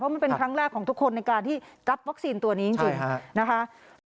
มันเป็นครั้งแรกของทุกคนในการที่รับวัคซีนตัวนี้จริงนะคะ